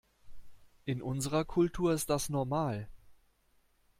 In unserer Kultur ist das normal.